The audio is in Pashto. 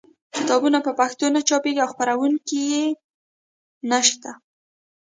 کتابونه په پښتو نه چاپېږي او خپرونکي یې نشته.